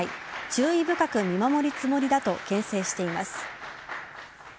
注意深く見守るつもりだとけん制しています。